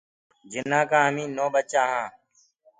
جنآ ڪآ هميٚ نو ٻچآ هآنٚ۔